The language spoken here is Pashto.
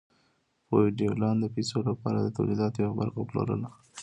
فیوډالانو د پیسو لپاره د تولیداتو یوه برخه پلورله.